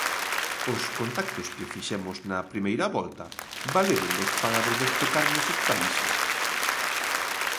Os contactos que fixemos na primeira volta, valéronos para volver tocar neses países.